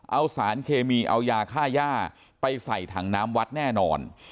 เอาสารเคมีเอายาค่าย่าไปใส่ถังน้ำวัดแน่นอน